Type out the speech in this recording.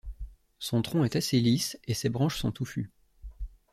Son tronc est assez lisse et ses branches sont touffues.